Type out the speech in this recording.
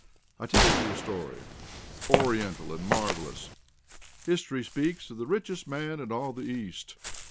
I tell you a story, Oriental and marvellous. History speaks of the richest man in all the East.